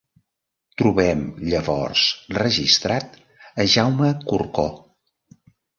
Trobem llavors registrat a Jaume Corcó.